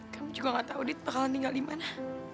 kamu juga nggak tahu dit bakalan tinggal di mana